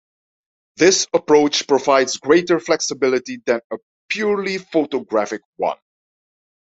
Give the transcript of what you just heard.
This approach provides greater flexibility than a purely photographic one.